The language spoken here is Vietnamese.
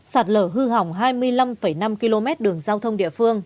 sạt lở hư hỏng hai mươi năm năm km đường giao thông địa phương